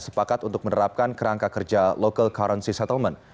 sepakat untuk menerapkan kerangka kerja local currency settlement